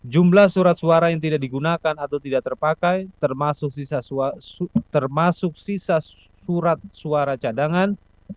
jumlah surat suara yang tidak digunakan atau tidak terpakai termasuk sisa surat suara cadangan